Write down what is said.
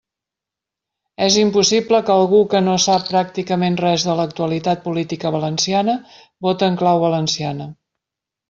És impossible que algú que no sap pràcticament res de l'actualitat política valenciana vote en clau valenciana.